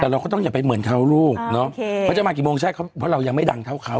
แต่เราก็ต้องอย่าไปเหมือนเขาลูกเนาะเขาจะมากี่โมงใช่เพราะเรายังไม่ดังเท่าเขา